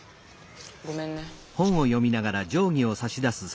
ごめんね。